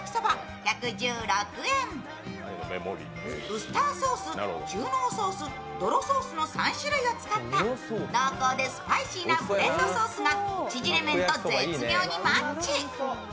ウスターソース、中濃ソース、どろソースの３種類を使った濃厚でスパイシーなブレンドそーすがちぢれ麺と絶妙にマッチ。